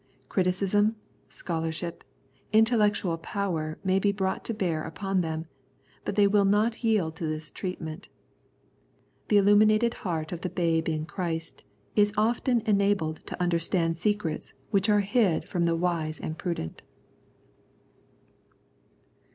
Criticism, scholarship, intellectual power may be brought to bear upon them, but they will not yield to this treatment. The illuminated heart of the babe in Christ is often enabled to understand secrets which are hid from the wise and prudent.